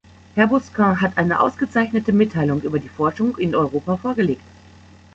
Herr Busquin hat eine ausgezeichnete Mitteilung über die Forschung in Europa vorgelegt.